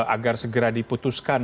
agar segera diputuskan